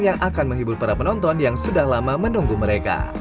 yang akan menghibur para penonton yang sudah lama menunggu mereka